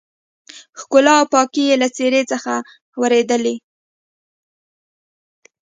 ښکلا او پاکي يې له څېرې څخه ورېدلې.